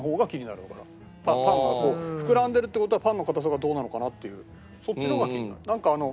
パンがこう膨らんでるって事はパンの硬さはどうなのかなっていうそっちの方が気になる。